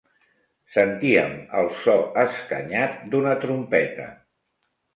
Sentíem el so escanyat d'una trompeta.